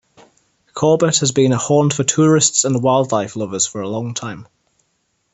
Corbett has been a haunt for tourists and wildlife lovers for a long time.